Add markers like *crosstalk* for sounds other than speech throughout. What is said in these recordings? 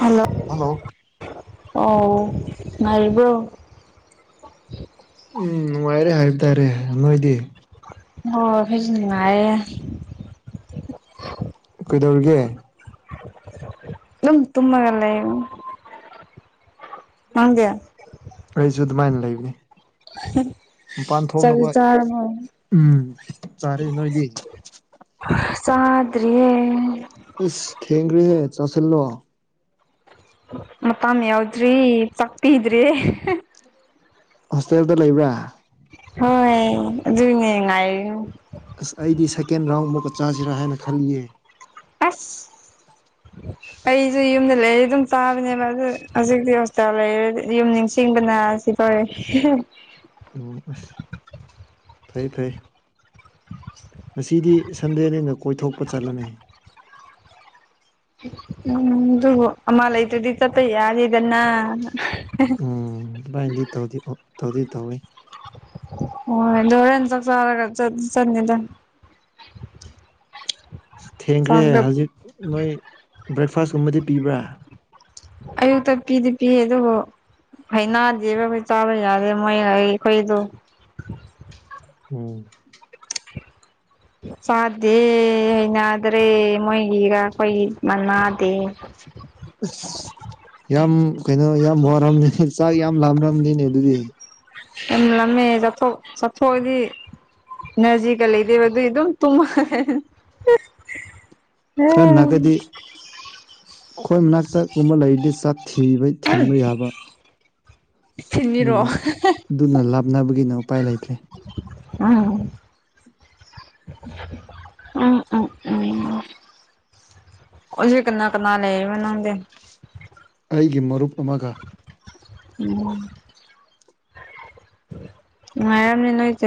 hello hello ꯑꯧ ꯉꯥꯏꯔꯤꯕ꯭ꯔꯣ ꯎꯝ ꯅꯨꯡꯉꯥꯏꯔꯦ ꯍꯥꯏꯕ ꯇꯥꯔꯦ ꯅꯣꯏꯗꯤ ꯍꯣ ꯑꯩꯈꯣꯏꯖꯨ ꯅꯨꯉꯥꯏꯔꯦ ꯀꯩꯗꯧꯔꯤꯒꯦ ꯗꯨꯝ ꯇꯨꯝꯃꯒ ꯂꯩꯕꯅꯤ ꯅꯪꯗꯤ ꯑꯩꯖꯨ ꯑꯗꯨꯃꯥꯏꯅ ꯂꯩꯕꯅꯤ ꯃꯄꯥꯟ ꯆꯥꯛꯇꯤ ꯊꯣꯛꯅꯕ ꯆꯥꯔꯕꯣ ꯎꯝ ꯆꯥꯔꯦ ꯅꯣꯏꯗꯤ ꯆꯥꯗ꯭ꯔꯤꯌꯦ ꯏꯁ ꯊꯦꯡꯒ꯭ꯔꯦꯍꯦ ꯆꯥꯁꯤꯜꯂꯣ ꯃꯇꯝ ꯌꯥꯎꯗ꯭ꯔꯤ ꯆꯥꯛꯄꯤꯗ꯭ꯔꯦ ꯍꯣꯁꯇꯦꯜꯗ ꯂꯩꯕ꯭ꯔꯥ ꯍꯣꯏ ꯑꯗꯨꯏꯅꯦ ꯉꯥꯏꯔꯝ ꯑꯁ ꯑꯩꯗꯤ ꯁꯦꯀꯦꯟ ꯔꯥꯎꯟ ꯑꯃꯨꯛꯀꯥ ꯆꯥꯖꯤꯔꯥ ꯍꯥꯏꯅ ꯈꯜꯂꯤꯌꯦ ꯑꯁ ꯑꯩꯖꯨ ꯌꯨꯝꯗꯥ ꯂꯩꯔꯗꯤ ꯑꯗꯨꯝ ꯆꯥꯕꯅꯦꯕ ꯑꯗꯨ ꯍꯧꯖꯤꯛꯇꯤ ꯍꯣꯁꯇꯦꯜ ꯂꯩꯔꯗꯤ ꯌꯨꯝ ꯅꯤꯡꯁꯤꯡꯕꯅ ꯍꯣꯏ ꯎꯝ ꯑꯁ ꯐꯩ ꯐꯩ ꯉꯁꯤꯗꯤ ꯁꯟꯗꯦꯅꯤꯅ ꯀꯣꯏꯊꯣꯛꯄ ꯆꯠꯂꯣꯅꯦ ꯎꯝ ꯗꯨꯕꯨ ꯑꯃꯥ ꯂꯩꯇ꯭ꯔꯥꯗꯤ ꯆꯠꯄ ꯌꯥꯗꯦꯗꯅ ꯎꯝ ꯑꯗꯨꯃꯥꯏꯅꯗꯤ ꯇꯧꯗꯤ ꯑꯣ ꯇꯧꯗꯤ ꯇꯧꯋꯦ ꯍꯣꯏ ꯗꯣ ꯍꯣꯔꯦꯟ ꯆꯥꯛ ꯆꯔꯥꯒ ꯆꯠ ꯆꯠꯅꯤꯗ *inaudible* ꯊꯦꯡꯈ꯭ꯔꯦ ꯆꯥꯛꯇꯣ ꯍꯧꯖꯤꯛ ꯅꯣꯏ ꯕ꯭ꯔꯦꯛꯐꯥꯁꯀꯨꯝꯕꯗꯤ ꯄꯤꯕ꯭ꯔꯥ ꯑꯌꯨꯛꯇꯥ ꯄꯤꯗꯤ ꯄꯤꯌꯦ ꯑꯗꯨꯕꯨ ꯍꯩꯅꯥꯗꯦꯕ ꯑꯩꯈꯣꯏ ꯆꯥꯕ ꯌꯥꯗꯦ ꯃꯣꯏ ꯑꯩꯈꯣꯏꯗꯣ ꯎꯝ ꯆꯥꯗꯦ ꯍꯩꯅꯗ꯭ꯔꯦ ꯃꯣꯏꯒꯤꯔ ꯑꯈꯣꯏꯒꯤ ꯃꯅꯥꯗꯦ ꯑꯁ ꯌꯥꯝ ꯀꯩꯅꯣ ꯌꯥꯝ ꯋꯥꯔꯝꯅꯤꯅꯦ ꯆꯥꯛ ꯌꯥꯝ ꯂꯥꯝꯔꯝꯅꯤꯅꯦ ꯑꯗꯨꯗꯤ ꯌꯥꯝ ꯂꯥꯝꯃꯦ ꯆꯥꯊꯣꯛ ꯆꯥꯊꯣꯛꯑꯗꯤ ꯏꯅꯔꯖꯤꯒ ꯂꯩꯗꯦꯕ ꯗꯨꯏ ꯑꯗꯨꯝ ꯇꯨꯝꯃꯒ ꯈꯔ ꯅꯛꯒꯗꯤ ꯑꯈꯣꯏ ꯃꯅꯥꯛꯇꯥ ꯒꯨꯝꯕ ꯂꯩꯔꯗꯤ ꯆꯥꯛ ꯊꯤꯕ ꯊꯤꯟꯕ ꯌꯥꯕ ꯊꯤꯟꯕꯤꯔꯣ ꯑꯗꯨꯅ ꯑꯗꯨꯅ ꯂꯥꯞꯅꯕꯒꯤꯅ ꯎꯄꯥꯏ ꯂꯩꯇ꯭ꯔꯦ ꯎꯝ ꯎꯝ ꯎꯝ *unintelligible* ꯍꯧꯖꯤꯛ ꯀꯅꯥ ꯀꯅꯥ ꯂꯩꯔꯤꯕ꯭ꯔꯥ ꯅꯪꯗꯤ ꯑꯩꯒꯤ ꯃꯔꯨꯞ ꯑꯃꯒ ꯑꯣ ꯅꯨꯉꯥꯏꯔꯝꯅꯤ ꯅꯣꯏꯇꯤ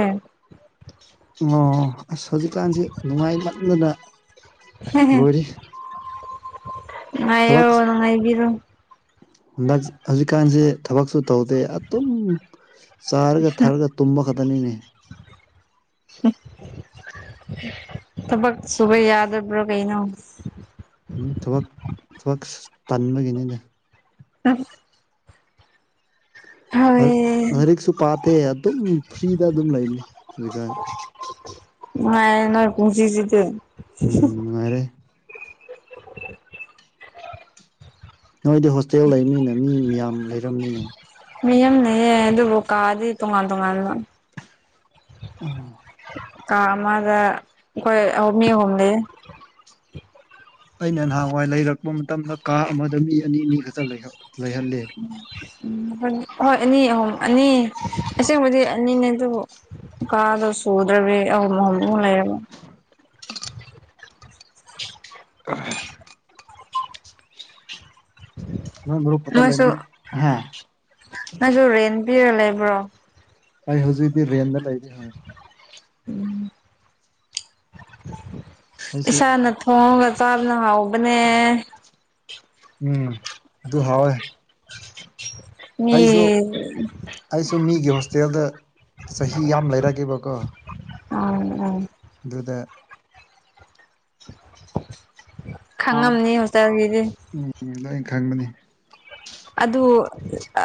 ꯑꯣ ꯑꯁ ꯍꯧꯖꯤꯛꯀꯥꯟꯁꯦ ꯅꯨꯡꯉꯥꯏꯃꯟꯗꯅ ꯂꯣꯏꯔꯦ ꯅꯨꯉꯥꯏꯌꯣ ꯅꯨꯉꯥꯏꯕꯤꯔꯣ ꯗꯁ ꯍꯧꯖꯤꯛꯀꯥꯟꯖꯦ ꯊꯕꯛꯁꯨ ꯇꯧꯗꯦ ꯑꯗꯨꯝ ꯆꯥꯔꯒ ꯊꯔꯒ ꯇꯨꯝꯕ ꯈꯇꯅꯤꯅꯦ ꯍꯨꯝ ꯊꯕꯛ ꯁꯨꯕ ꯌꯥꯗꯕ꯭ꯔꯣ ꯀꯩꯅꯣ ꯎꯝ ꯊꯕꯛ ꯊꯕꯛꯁ ꯇꯟꯕꯒꯤꯅꯤꯗ ꯑꯁ ꯑꯛ ꯍꯣꯏ ꯂꯥꯏꯔꯤꯛꯁꯨ ꯄꯥꯇꯦ ꯑꯗꯨꯝ ꯐ꯭ꯔꯤꯗ ꯑꯗꯨꯝ ꯂꯩꯕꯅꯤ ꯍꯧꯖꯤꯛꯀꯥꯟ ꯅꯨꯉꯥꯏ ꯅꯣꯏ ꯄꯨꯟꯁꯤꯁꯤꯗꯤ ꯎꯝ ꯅꯨꯡꯉꯥꯏꯔꯦ *inaudible* ꯅꯣꯏꯗꯤ ꯍꯣꯁꯇꯦꯜ ꯂꯩꯕꯅꯤꯅ ꯃꯤ ꯃꯌꯥꯝ ꯂꯩꯔꯝꯅꯤꯅꯦ ꯃꯤꯌꯥꯝ ꯂꯩꯌꯦ ꯑꯗꯨꯕꯨ ꯀꯥꯗꯤ ꯇꯣꯉꯥꯟ ꯇꯣꯉꯥꯟꯕ *unintelligible* ꯀꯥ ꯑꯃꯗ ꯑꯩꯈꯣꯏ ꯑꯥꯎ ꯃꯤ ꯑꯍꯨꯝꯂꯩꯌꯦ ꯑꯩꯅ ꯅꯍꯥꯟꯋꯥꯏ ꯂꯩꯔꯛꯄ ꯃꯇꯝꯗ ꯀꯥ ꯑꯃꯗ ꯃꯤ ꯑꯅꯤ ꯑꯅꯤ ꯈꯛꯇ ꯂꯩꯍꯠ ꯂꯩꯍꯜꯂꯦ ꯎꯝ ꯍꯣꯏ ꯑꯅꯤ ꯑꯍꯨꯝ ꯑꯅꯤ ꯑꯁꯦꯡꯕꯗꯤ ꯑꯅꯤꯅꯦ ꯑꯗꯨꯕꯨ ꯀꯥꯗꯣ ꯁꯨꯗ꯭ꯔꯕꯤ ꯑꯍꯨꯝ ꯑꯍꯨꯝ ꯑꯃꯨꯛ ꯂꯩꯔꯕ *unintelligible* ꯅꯣꯏ ꯃꯔꯨꯞ ꯈꯛꯇ ꯅꯣꯏꯁꯨ ꯂꯩꯃꯤꯟ ꯍꯥ ꯅꯣꯏꯁꯨ ꯔꯦꯟ ꯄꯤꯔ ꯂꯩꯕ꯭ꯔꯣ ꯑꯩ ꯍꯧꯖꯤꯛꯗꯤ ꯔꯦꯟꯗ ꯂꯩꯗꯦꯍꯥꯏ ꯎꯝ ꯑꯩꯁꯨ ꯏꯁꯥꯅ__ ꯊꯣꯡꯉꯒ ꯆꯥꯕꯅ ꯍꯥꯎꯕꯅꯦ ꯎꯝ ꯑꯗꯨ ꯍꯥꯎꯋꯦ ꯃꯤ ꯑꯩꯁꯨ ꯑꯩꯁꯨ ꯃꯤꯒꯤ ꯍꯣꯁꯇꯦꯜꯗ ꯆꯍꯤ ꯌꯥꯝ ꯂꯩꯔꯒꯦꯕꯀꯣ ꯑꯥꯎ ꯑꯥꯎ ꯑꯗꯨꯗ ꯍꯥꯎ ꯈꯪꯉꯝꯅꯤ ꯍꯣꯁꯇꯦꯜꯒꯤꯗꯤ ꯎꯝ ꯂꯣꯏ ꯈꯪꯕꯅꯤ ꯑꯗꯨ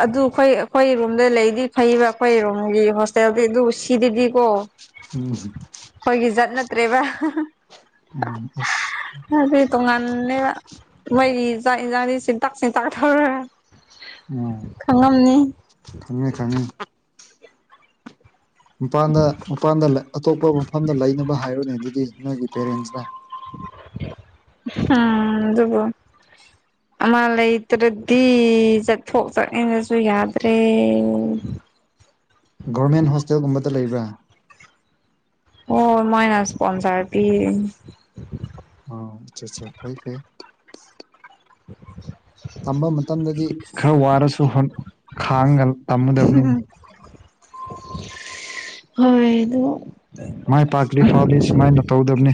ꯑꯗꯨ ꯈꯣꯏ ꯑꯩꯈꯣꯏ ꯔꯨꯝꯗ ꯂꯩꯗꯤ ꯐꯩꯌꯦꯕ ꯑꯩꯈꯣꯏ ꯔꯨꯝꯒꯤ ꯍꯣꯁ ꯇꯦꯜ ꯗꯤ ꯑꯗꯨꯕꯨ ꯁꯤꯗꯗꯤ ꯀꯣ ꯎꯝꯍꯨ ꯈꯣꯏꯒꯤ ꯖꯠ ꯅꯠꯇ꯭ꯔꯦꯕ ꯑꯥꯡ ꯑꯁ ꯍꯥꯏꯗꯤ ꯇꯣꯡꯉꯥꯟꯂꯦꯕ ꯃꯣꯏꯒꯤ ꯆꯥꯛ ꯌꯦꯟꯖꯥꯡꯗꯤ ꯁꯤꯟꯇꯥꯛ ꯁꯤꯟꯇꯥꯛ ꯊꯧꯔ ꯎꯝ ꯈꯪꯉꯝꯅꯤ ꯈꯪꯉꯦ ꯈꯪꯉꯦ ꯃꯄꯥꯟꯗ ꯃꯄꯥꯟꯗ ꯂꯩ ꯑꯇꯣꯞꯄ ꯃꯐꯝꯗ ꯂꯩꯅꯕ ꯍꯥꯏꯔꯨꯅꯦ ꯑꯗꯨꯗꯤ ꯅꯣꯏꯒꯤ ꯄꯦꯔꯦꯟꯁꯇ ꯑꯥ ꯑꯗꯨꯕꯨ ꯑꯃ ꯂꯩꯇ꯭ꯔꯗꯤ ꯆꯠꯊꯣꯛ ꯆꯠꯅꯤꯡꯉꯁꯨ ꯌꯥꯗ꯭ꯔꯦ ꯒꯣꯔꯃꯦꯟ ꯍꯣꯁꯇꯦꯜꯒꯨꯝꯕꯗ ꯂꯩꯕ꯭ꯔꯥ ꯍꯣꯏ ꯃꯣꯏꯅꯥ ꯁꯄꯣꯟꯁꯔ ꯄꯤꯔꯤꯟ ꯑꯣ ꯑꯆꯥ ꯑꯆꯥ ꯐꯩ ꯐꯩ *inaudible* ꯇꯝꯕ ꯃꯇꯝꯗꯗꯤ ꯈꯔ ꯋꯥꯔꯁꯨ ꯈꯥꯡꯒ ꯍꯣꯏ ꯑꯗꯨ ꯃꯥꯏ ꯄꯥꯛꯂꯤ ꯐꯥꯎꯗꯤ ꯁꯨꯃꯥꯏꯅ ꯇꯧꯗꯝꯅꯤ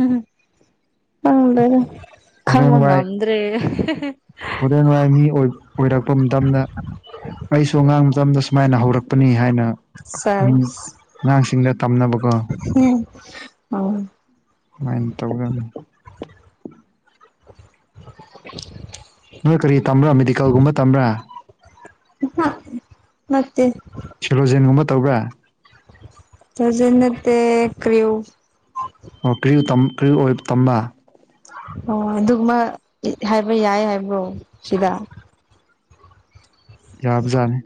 ꯎꯝ ꯈꯪꯗꯦꯗ ꯍꯣꯔꯦꯟ ꯈꯪꯕ ꯋꯥꯏ ꯉꯝꯗ꯭ꯔꯦ ꯍꯣꯔꯦꯟ ꯋꯥꯥꯏ ꯃꯤ ꯑꯣꯏ ꯑꯣꯏꯔꯛꯄ ꯃꯇꯝꯗꯥ ꯑꯩꯁꯨ ꯑꯉꯥꯡ ꯃꯇꯝꯗ ꯁꯨꯃꯥꯏꯅ ꯍꯧꯔꯛꯄꯅꯤ ꯍꯥꯏꯅ ꯃꯤ ꯁꯦꯁ ꯑꯉꯥꯡꯁꯤꯡꯗ ꯇꯝꯅꯕꯀꯣ ꯎꯝ ꯑꯣ ꯁꯨꯃꯥꯏꯅ ꯇꯧꯒꯅꯤ *inaudible* ꯅꯣꯏ ꯀꯔꯤ ꯇꯝꯕ꯭ꯔꯥ ꯃꯦꯗꯤꯀꯦꯜꯒꯨꯝꯕ ꯇꯝꯕ꯭ꯔꯥ ꯅꯠꯇꯦ ꯁꯦꯂꯣꯖꯦꯟꯒꯨꯝꯕ ꯇꯧꯕ꯭ꯔꯥ ꯆꯥꯖꯔ ꯅꯠꯇꯦ ꯀ꯭ꯔꯤꯌꯨ ꯑꯣ ꯀ꯭ꯔꯤꯎ ꯇꯝ ꯀ꯭ꯔꯤꯎ ꯑꫭꯏꯕ ꯇꯝꯕ ꯑꯣ ꯑꯗꯨꯒꯃ ꯍꯥꯏꯕ ꯌꯥꯏ ꯍꯥꯏꯕ꯭ꯔꯣ ꯁꯤꯗ ꯌꯥꯕꯖꯥꯠꯅꯤ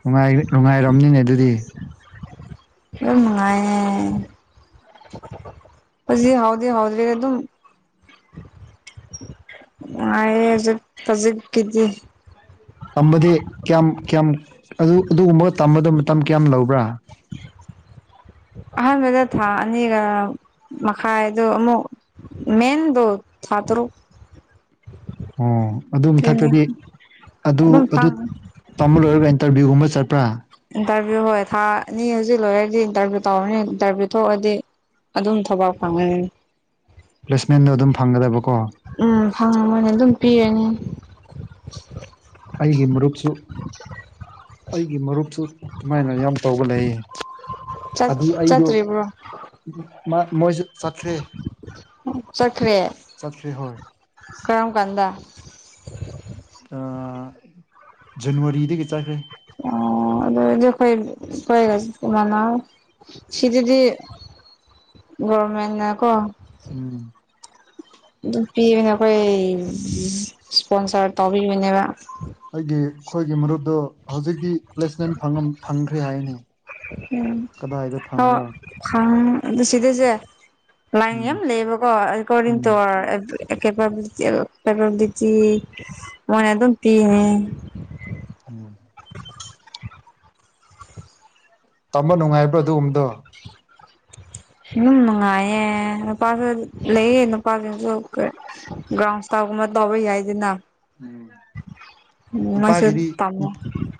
ꯅꯨꯡ ꯉꯥꯏꯔꯤ ꯅꯨꯡꯉꯥꯏꯔꯝꯅꯤꯅꯦ ꯑꯗꯨꯗꯤ ꯗꯨꯝ ꯅꯨꯡꯉꯥꯏꯌꯦ *inaudible* ꯍꯨꯖꯤꯛ ꯍꯥꯎꯗꯤ ꯍꯥꯎꯗ꯭ꯔꯤ ꯑꯗꯨꯝ ꯅꯨꯉꯥꯏꯌꯦ ꯑꯖꯤꯛ ꯍꯧꯖꯤꯛ ꯀꯤꯗꯤ ꯇꯝꯕꯗꯤ ꯀꯌꯥꯝ ꯀꯌꯥꯝ ꯑꯗꯨ ꯑꯗꯨꯒꯨꯝꯕꯒ ꯇꯝꯕꯗ ꯃꯇꯝ ꯀꯌꯥꯝ ꯂꯧꯕ꯭ꯔꯥ ꯑꯍꯥꯟꯕꯗ ꯊꯥ ꯑꯅꯤꯒ ꯃꯈꯥꯏꯗꯣ ꯑꯃꯨꯛ ꯃꯟꯗꯣ ꯊꯥꯇꯔꯨꯛ ꯑꯣ ꯑꯗꯨ ꯇ꯭ꯔꯦꯅꯤꯡ ꯃꯊꯛꯇꯗꯤ ꯑꯗꯨ ꯑꯗꯨꯝ ꯑꯗꯨ ꯐꯪꯉꯦ ꯇꯝꯕ ꯂꯣꯏꯔꯒ ꯏꯟꯇꯔꯚꯤꯌꯨꯒꯨꯝꯕ ꯆꯠꯄ꯭ꯔꯥ ꯏꯟꯇꯔꯚꯤꯌꯨ ꯍꯣꯏ ꯊꯥ ꯑꯅꯤ ꯍꯧꯖꯤꯛ ꯂꯣꯏꯣꯔꯗꯤ ꯏꯟꯇꯔꯚꯤꯌꯨ ꯇꯧꯔꯅꯤ ꯏꯟꯇꯔꯚꯤꯌꯨ ꯊꯣꯛꯑꯗꯤ ꯑꯗꯨꯝ ꯊꯕꯛ ꯐꯪꯉꯩ ꯄ꯭ꯂꯦꯁꯃꯦꯟꯗꯣ ꯑꯗꯨꯝ ꯐꯪꯒꯗꯕꯀꯣ ꯎꯝ ꯐꯪꯕ ꯅꯦ ꯑꯗꯨꯝ ꯄꯤꯔꯅꯤ ꯑꯩꯒꯤ ꯃꯔꯨꯞꯁꯨ ꯑꯩꯒꯤ ꯃꯔꯨꯞ ꯑꯗꯨꯨꯃꯥꯏꯅ ꯌꯥꯝ ꯇꯧꯕ ꯂꯩ ꯆꯠ ꯑꯗꯨ ꯑꯩꯗꯣ ꯆꯠꯇ꯭ꯔꯤꯕ꯭ꯔꯣ ꯑꯥ ꯃꯣꯏꯁꯨ ꯆꯠꯇ꯭ꯔꯦ ꯆꯠꯈ꯭ꯔꯦ ꯆꯠꯇ꯭ꯔꯦ ꯍꯣꯏ ꯀꯔꯝ ꯀꯥꯟꯗ ꯑꯥ ꯖꯟꯋꯥꯔꯤꯗꯒꯤ ꯆꯠꯈ꯭ꯔꯦ ꯑꯣ ꯑꯗꯨ *unintelligible* ꯃꯅ ꯁꯤꯗꯗꯤ ꯒꫭꯔꯃꯦꯟꯅ ꯀꯣ ꯎꯝ ꯄꯤꯕꯅꯦ ꯑꯩꯈꯣꯏ ꯏꯁꯄꯣꯟꯁꯔ ꯇꯕꯤꯕꯅꯦꯕ ꯑꯩꯒꯤ ꯑꯩꯈꯣꯏꯒꯤ ꯃꯔꯨꯞꯇꯣ ꯍꯧꯖꯤꯛꯇꯤ ꯄ꯭ꯂꯦꯁꯃꯦꯟ ꯐꯪꯉꯝ ꯐꯪꯈ꯭ꯔꯦ ꯍꯥꯏꯅꯤ ꯀꯗꯥꯏꯗ ꯐꯪꯕ꯭ꯔꯥ *unintelligible* ꯈꯪ ꯑꯗꯨ ꯁꯤꯗꯁꯦ ꯂꯥꯏꯟ ꯎꯝ ꯌꯥꯝ ꯂꯩꯌꯦꯕꯀꯣ ꯑꯦꯀꯣꯔꯗꯤꯡ ꯇꯨ ꯎꯝ ꯑꯔ ꯑꯦꯀꯦꯄꯕꯦꯂꯤꯇꯤ ꯑ ꯄꯕꯦꯂꯤꯇꯤ ꯃꯣꯏꯅ ꯑꯗꯨꯝ ꯄꯤ ꯍꯥꯏꯌꯦ *unintelligible* ꯇꯝꯕ ꯅꯨꯡꯉꯥꯏꯕ꯭ꯔꯣ ꯑꯗꯨꯒꯨꯝꯕꯗꯣ ꯁꯤꯅꯨꯡ ꯅꯨꯉꯥꯏꯌꯦ ꯅꯨꯄꯥꯁꯨ ꯂꯩꯌꯦ ꯅꯨꯄꯥꯁꯤꯡꯁꯨ ꯒ꯭ꯔꯥꯎꯟ ꯁ꯭ꯇꯥꯕ ꯒꯨꯝꯕ ꯇꯧꯕ ꯌꯥꯏꯗꯅ ꯃꫭꯏꯁꯨ ꯅꯨꯄꯥꯒꯤꯗꯤ ꯇꯝꯃꯦ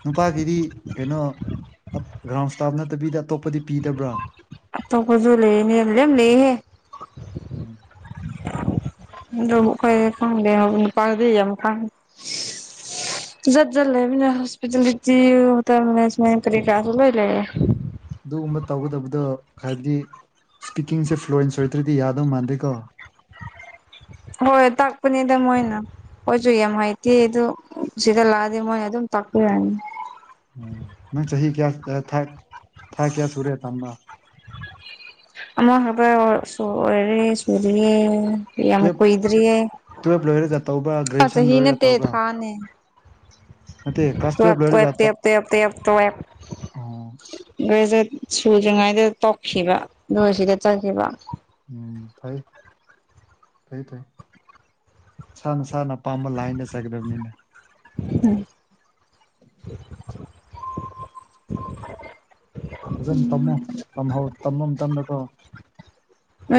ꯅꯨꯄꯥꯒꯤꯗꯤ ꯀꯩꯅꯣ ꯑꯥꯞ ꯒ꯭ꯔꯥꯎꯟ ꯁ꯭ꯇꯥꯞ ꯅꯠꯇꯕꯤꯗ ꯑꯇꯣꯞꯄꯗꯤ ꯄꯤꯗꯕ꯭ꯔꯥ ꯑꯇꯣꯞꯄꯖꯨ ꯂꯩꯌꯦꯅꯦ ꯂꯣꯏꯝ ꯂꯩꯌꯦꯍꯦ *unintelligible* *inaudible* ꯑꯗꯨꯕꯨ ꯑꯈꯣꯏ ꯈꯪꯗꯦ ꯅꯨꯄꯥꯒꯤ ꯌꯥꯝ ꯈꯪ ꯖꯠ ꯖꯠ ꯂꯩꯕꯅꯦ ꯍꯣꯁꯄꯤꯇꯥꯜꯂꯤꯇꯤ ꯍꫭꯇꯦꯜ ꯃꯦꯅꯦꯁꯃꯦꯟ ꯀꯔꯤ ꯀꯔꯥꯗꯨ ꯂꫭꯏ ꯂꯩꯌꯦ ꯑꯗꯨꯒꯨꯝꯕ ꯇꯧꯒꯗꯕꯗꯣ ꯍꯥꯏꯕꯗꯤ ꯁ꯭ꯄꯤꯀꯤꯡꯁꯦ ꯐ꯭ꯂꯨꯋꯟꯁ ꯑꯣꯏꯗ꯭ꯔꯗꯤ ꯌꯥꯗꯧ ꯃꯥꯟꯗꯦꯀꯣ ꯍꯣꯏ ꯇꯥꯛꯄꯅꯦꯗ ꯃꫭꯏꯅ ꯈꯣꯏꯖꯨ ꯌꯥꯝ ꯍꯩꯇꯦ ꯑꯗꯨ ꯁꯤꯗ ꯂꯥꯛꯑꯗꯤ ꯃꯣꯏꯅ ꯑꯗꯨꯝ ꯇꯥꯛꯄꯤꯔꯅꯤ ꯎꯝ ꯅꯪ ꯆꯍꯤ ꯀꯌꯥꯥ ꯑꯥ ꯊꯥ ꯊꯥ ꯀꯌꯥ ꯁꯨꯔꯦ ꯇꯝꯕꯥ ꯑꯃ ꯈꯛꯇ ꯁꯨꯔꯔꯦ ꯁꯨꯗ꯭ꯔꯤꯌꯦ ꯌꯥꯝ ꯀꯨꯏꯗ꯭ꯔꯤꯌꯦ ꯇꯨꯋꯦꯞ ꯂꯣꯏꯔꯒ ꯇꯧꯕ꯭ꯔ ꯑ ꯆꯍꯤ ꯅꯦꯠꯇꯦ ꯊꯥꯅꯦ ꯅꯠꯇꯦ ꯀ꯭ꯂꯥꯁ ꯇꯨꯋꯦꯞ ꯇꯨꯌꯦꯜꯞ ꯂꯣꯏꯔꯒ ꯇꯨꯋꯦꯞ ꯆ ꯇꯦꯞ ꯇꯦꯞ ꯇꯦꯞ ꯇꯨꯋꯦꯞ ꯑꯣ ꯒ꯭ꯔꯦꯖꯨꯋꯦꯠ ꯁꯨꯗ꯭ꯔꯤꯉꯩꯗ ꯇꯣꯛꯈꯤꯕ ꯑꯗꯨꯒ ꯁꯤꯗ ꯆꯠꯈꯤꯕ ꯎꯝ ꯐꯩ ꯐꯥꯩ ꯐꯩ ꯅꯁꯥ ꯅꯁꯥꯅ ꯄꯥꯝꯕ ꯂꯥꯏꯟꯗ ꯆꯠꯗꯕꯅꯤꯅꯦ *unintelligible* ꯐꯖꯅ ꯇꯝꯃꯣ ꯇꯝꯍꯧ ꯇꯝꯕ ꯃꯇꯝꯗꯀꯣ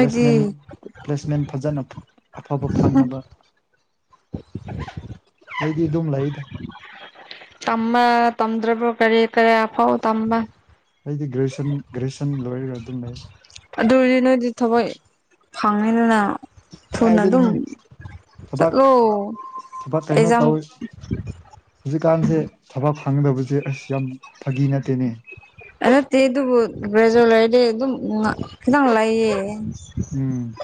ꯄ꯭ꯂꯦꯁꯃꯦꯟ ꯄ꯭ꯂꯦꯁꯃꯦꯟ ꯐꯖꯅ ꯑꯐꯕ ꯐꯪꯅꯕ ꯑꯩꯗꯤ ꯗꯨꯝ ꯂꯩꯗ ꯇꯝꯕ ꯇꯝꯗ꯭ꯔꯕ꯭ꯔꯣ ꯀꯔꯤ ꯀꯔ ꯐꯥꯎ ꯇꯝꯕ ꯑꯩꯗꯤ ꯒ꯭ꯔꯦꯖꯨꯑꯌꯦꯁꯟ ꯒ꯭ꯔꯦꯖꯨꯑꯌꯦꯁꯟ ꯂꯣꯏꯔꯒ ꯑꯗꯨꯝ ꯂꯩꯌꯦ ꯑꯗꯨ ꯑꯣꯏꯔꯗꯤ ꯅꯣꯏꯗꯤ ꯊꯋꯣꯏ ꯐꯪꯉꯦꯗꯅ ꯊꯨꯅ ꯑꯗꯨꯝ ꯀꯥꯏꯗꯩꯅꯣꯍꯦ ꯊꯕꯛ ꯆꯠꯂꯣ ꯑꯦꯖꯥꯝ ꯍꯧꯖꯤꯛꯀꯥꯟꯖꯦ ꯊꯕꯛ ꯐꯪꯗꯕꯖꯦ ꯑꯁ ꯌꯥꯝ ꯐꯥꯒꯤ ꯅꯠꯇꯦꯅꯦ ꯑꯥ ꯅꯠꯇꯦ ꯑꯗꯨꯕꯨ ꯒ꯭ꯔꯦꯖꯣꯏꯠ ꯂꯣꯏꯔꯗꯤ ꯑꯗꯨꯝ ꯉ ꯈꯤꯇꯪ ꯂꯩꯌꯦ ꯎꯝ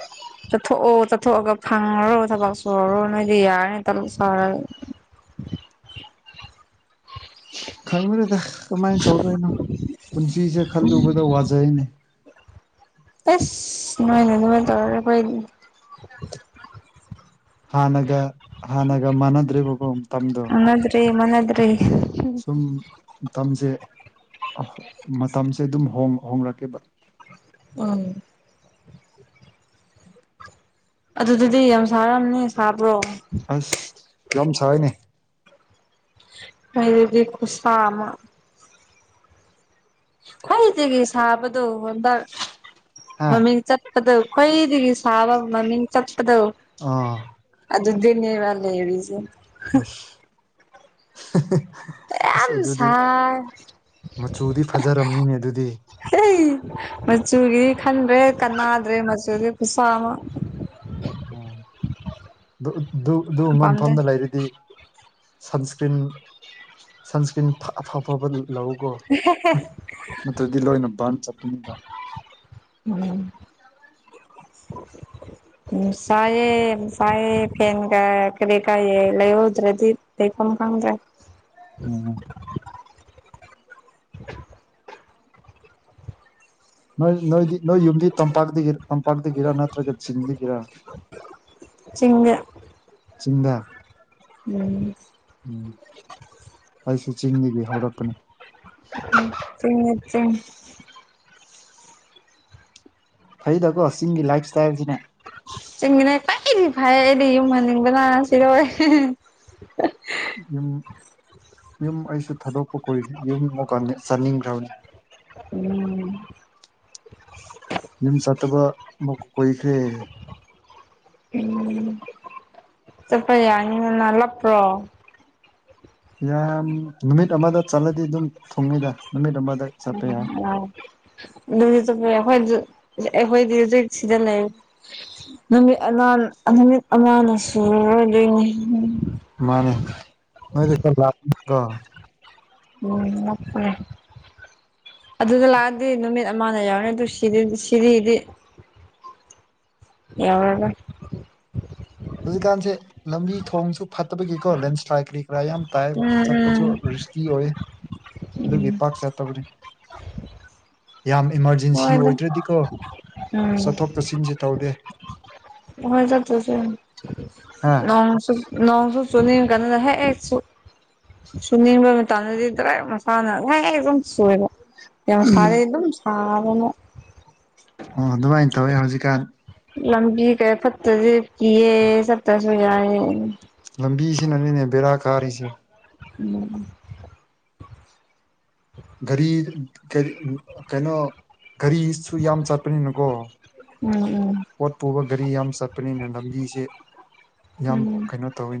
ꯆꯠꯊꯣꯛꯑꯣ ꯆꯠꯊꯣꯛꯑꯒ ꯐꯪꯉꯣꯔꯣ ꯊꯕꯛ ꯁꯨꯔꯨꯔꯣ ꯅꯣꯏꯗꯤ ꯌꯥꯔꯦ ꯇꯣꯂꯣꯞ ꯆꯥꯎꯔ ꯈꯪꯗ꯭ꯔꯦꯗ ꯀꯃꯥꯏꯟ ꯇꯧꯗꯣꯏꯅꯣ ꯄꯨꯟꯁꯤꯁꯦ ꯈꯜꯂꯨꯕꯗ ꯋꯥꯖꯩꯅꯦ ꯑꯦꯁ ꯅꯣꯏꯅꯥ ꯑꯗꯨꯃꯥꯏꯟ ꯇꯧꯔꯗꯤ ꯑꯈꯣꯏꯗꯤ ꯍꯥꯟꯅꯒ ꯍꯥꯟꯅꯒ ꯃꯥꯟꯅꯗ꯭ꯔꯦꯕꯒꯣ ꯃꯇꯝꯗꯣ ꯔꯦ ꯃꯅꯥꯗꯔꯦ ꯑꯗꯨꯝ ꯃꯇꯝꯖꯦ ꯃꯇꯝꯁꯦ ꯑꯗꯨꯝ ꯍꯣꯡ ꯍꯣꯡꯔꯛꯀꯦꯕ ꯎꯝ ꯑꯗꯨꯗꯗꯤ ꯌꯥꯝ ꯁꯥꯔꯝꯅꯤ ꯁꯥꯕ꯭ꯔꯣ ꯑꯁ ꯌꯥꯝ ꯁꯥꯏꯅꯦ ꯅꯣꯏꯗꯗꯤ ꯈꯨꯨꯁꯥ ꯑꯃ ꯈ꯭ꯋꯥꯏꯗꯒꯤ ꯁꯥꯕꯗꯣ ꯍꯣꯟꯗ꯭ꯔ ꯍꯥ ꯃꯃꯤꯡ ꯆꯠ ꯑꯗ ꯈ꯭ꯋꯥꯏꯗꯒꯤ ꯁꯥꯕ ꯃꯃꯤꯡ ꯆꯠꯄꯗꯧ ꯑꯥ ꯑꯗꯨꯗꯤ ꯅꯦꯕ ꯂꯩꯔꯤꯁꯦ ꯑꯁ ꯑꯁ ꯌꯥꯝ ꯑꯗꯨꯗꯤ ꯁꯥꯏ ꯃꯆꯨꯗꯤ ꯐꯖꯔꯝꯅꯤꯅꯦ ꯑꯗꯨꯗꯤ ꯍꯦꯍꯤ ꯃꯆꯨꯒꯤ ꯈꯟꯗ꯭ꯔꯦ ꯀꯥꯟꯅꯥꯗ꯭ꯔꯦ ꯃꯆꯨꯒꯤ ꯈꯨꯁꯥ ꯑꯃ ꯎꯝ ꯗꯨ ꯗꯨ ꯉꯝꯕ ꯄꯥꯝꯗꯦ ꯃꯐꯝꯗ ꯂꯩꯔꯗꯤ ꯁꯟꯁꯀ꯭ꯔꯤꯟ ꯁꯟꯁꯀ꯭ꯔꯤꯟ *unintelligible* ꯂꯧꯎꯀꯣ ꯅꯠꯇ꯭ꯔꯗꯤ ꯂꯣꯏꯅ ꯕꯥꯔ ꯆꯠꯄꯅꯤꯗ ꯎꯝ ꯎꯝ ꯁꯥꯏꯌꯦ ꯁꯥꯏꯌꯦ ꯐꯦꯟꯒ ꯀꯔꯤ ꯀꯥꯏ ꯂꯩꯍꯧꯗ꯭ꯔꯗꯤ ꯂꯩꯐꯝ ꯈꯪꯗ꯭ꯔꯦ *inaudible* ꯎꯝ ꯅꯣꯏ ꯅꯣꯏꯗꯤ ꯅꯣꯏ ꯌꯨꯝꯗꯤ ꯇꯝꯄꯥꯛꯗꯒꯤ ꯇꯝ ꯄꯥꯛꯗꯒꯔ ꯅꯠꯇ꯭ꯔꯒ ꯆꯤꯡꯗꯒꯤꯔ ꯆꯤꯡꯗ ꯆꯤꯡꯗ ꯎꯝ ꯎꯝ ꯑꯩꯁꯨ ꯆꯤꯡꯗꯒꯤ ꯍꯧꯔꯛꯄꯅꯦ ꯎꯝ ꯆꯤꯡ ꯅꯠꯇ꯭ꯔꯦ ꯐꯩꯗꯀꯣ ꯆꯤꯡꯒꯤ ꯂꯥꯏꯄ ꯏꯁꯇꯥꯏꯜꯖꯤꯅꯦ ꯆꯤꯡꯒꯤꯅꯦ ꯀꯥꯏꯗꯩ ꯐꯥꯏꯌꯦ ꯑꯩꯗꯤ ꯌꯨꯝ ꯍꯟꯅꯤꯡꯕ ꯁꯤꯗꯣꯔꯦ ꯌꯨꯝ ꯌꯨꯝ ꯑꯩꯁꯨ ꯊꯥꯗꯣꯛꯄ ꯀꯨꯏ ꯌꯨꯃꯨꯛ ꯀꯥꯟꯗ ꯆꯥꯅꯤꯡꯈ꯭ꯔꯕꯅꯤ ꯎꯝ ꯌꯨꯝ ꯆꯠꯇꯕ ꯑꯃꯨꯛꯀ ꯀꯨꯏꯈ꯭ꯔꯦ ꯎꯝ ꯆꯠꯄ ꯌꯥꯅꯤꯅꯥ ꯅꯂꯛꯄ꯭ꯔꯣ ꯌꯥꯝ ꯅꯨꯃꯤꯠ ꯑꯃꯗ ꯆꯠꯂꯗꯤ ꯑꯗꯨꯝ ꯊꯨꯡꯉꯤꯗ ꯅꯨꯃꯤꯠ ꯑꯃꯗ ꯆꯠꯄ ꯌꯥꯏ ꯌꯥꯏ ꯑꯗꯨꯗꯤ ꯆꯠꯄ ꯌꯥꯏ ꯑꯈꯣꯏ ꯑꯗꯨ ꯑꯩꯈꯣꯏꯗꯤ ꯍꯧꯖꯤꯛ ꯁꯤꯗ ꯂꯩ ꯅꯨꯃꯤꯠ ꯑꯅꯟ ꯅꯨꯃꯤꯠ ꯑꯉꯥꯡꯅ ꯁꯨꯔꯔꯣꯏꯗꯧꯏꯅꯦ ꯃꯥꯔ ꯅꯣꯏ ꯈꯔꯥ ꯂꯞꯇ꯭ꯔꯣ ꯎꯝ ꯃꯣꯠꯄꯅꯦ ꯑꯗꯨꯗ ꯂꯥꯛꯑꯗꯤ ꯅꯨꯃꯤꯠ ꯑꯃꯗ ꯌꯥꯎꯔꯅꯤ ꯑꯗꯨ ꯁꯤꯗꯗꯤ ꯁꯤꯔꯤꯗꯤ ꯌꯧꯔꯔꯣꯏ ꯍꯧꯖꯤꯛꯀꯥꯟꯁꯦ ꯂꯝꯕꯤ ꯊꯣꯡꯁꯨ ꯐꯠꯇꯕꯒꯤꯀꯣ ꯂꯦꯟꯁ꯭ꯂꯥꯏꯠꯂ ꯀꯔꯤ ꯈꯔ ꯌꯥꯝ ꯇꯥꯏꯕ ꯎꯝ ꯆꯠꯄꯁꯨ ꯔꯤꯁꯀꯤ ꯑꯣꯏꯌꯦ ꯎꯝ ꯎꯝ ꯑꯗꯨꯒꯤ ꯄꯥꯛ ꯆꯠꯇꯕꯅꯤ ꯌꯥꯝ ꯏꯃꯥꯔꯖꯦꯟꯁꯤ ꯍꯣꯏꯗ ꯑꯣꯏꯗ꯭ꯔꯗꯤꯀꯣ ꯆꯠꯊꯣꯛ ꯎꯝ ꯆꯠꯁꯤꯟꯁꯦ ꯇꯧꯗꯦ ꯍꯥ *unintelligible* ꯅꯣꯡꯁꯨ ꯆꯨꯅꯤꯡ ꯀꯥꯟꯅꯗ ꯍꯦꯛ ꯆꯨ ꯁꯨꯅꯤꯡꯔꯒ ꯇꯔꯗꯤ ꯗꯔꯦꯛ ꯂꯥꯎ ꯐꯥꯅ *unintelligible* ꯁꯨꯔꯕ ꯃꯁꯥꯏꯌꯦꯑꯦ ꯗꯨꯝ ꯇꯥꯕꯅꯦ ꯑꯣ ꯑꯗꯨꯃꯥꯏꯅ ꯇꯧꯋꯦ ꯍꯧꯖꯤꯛꯀꯥꯟ ꯂꯕꯤ ꯀ ꯐꯠꯇꯗꯤ ꯀꯤꯌꯦ ꯁꯇꯁꯨ ꯌꯥꯏꯌꯦ ꯂꯝꯕꯤꯁꯤꯅꯅꯤꯅꯦ ꯕꯦꯔꯥ ꯀꯥꯔꯤꯁꯦ ꯎꯝ ꯒꯥꯔꯤ ꯀꯔꯤ ꯀꯩꯅꯣ ꯒꯥꯔꯤꯁꯨ ꯌꯥꯝ ꯆꯠꯄꯅꯤꯅꯀꯣ ꯎꯝ ꯎꯝ ꯄꯣꯠ ꯄꯨꯕ ꯒꯥꯔꯤ ꯌꯥꯝ ꯆꯠ ꯆꯄꯅꯤꯅ ꯂꯝꯕꯤꯁꯦ ꯌꯥꯝ ꯎꯝ ꯀꯩꯅꯣ ꯇꯧꯋꯤ